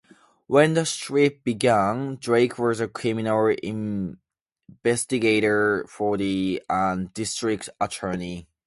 When the strip began, Drake was a criminal investigator for the district attorney.